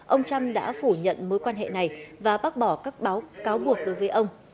ông trump đã phủ nhận mối quan hệ này và bác bỏ các báo cáo buộc đối với ông